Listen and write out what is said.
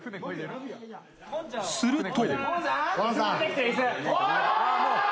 すると。